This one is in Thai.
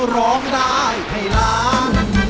ร้องได้ให้ล้าน